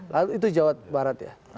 lalu itu jawa barat ya